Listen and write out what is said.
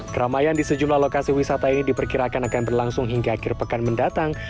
keramaian di sejumlah lokasi wisata ini diperkirakan akan berlangsung hingga akhir pekan mendatang